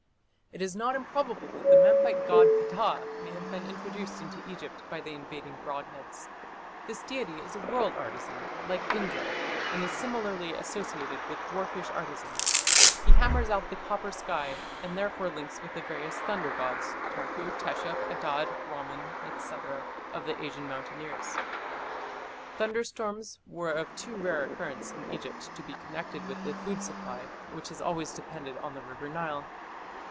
It is not improbable that the Memphite god Ptah may have been introduced into Egypt by the invading broad heads. This deity is a world artisan like Indra, and is similarly associated with dwarfish artisans; he hammers out the copper sky, and therefore links with the various thunder gods Tarku, Teshup, Adad, Ramman, &c, of the Asian mountaineers. Thunderstorms were of too rare occurrence in Egypt to be connected with the food supply, which has always depended on the river Nile.